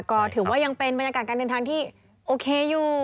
ก็ถือว่ายังเป็นบรรยากาศการเดินทางที่โอเคอยู่